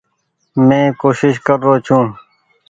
مين ڪوشش ڪر رو ڇون ۔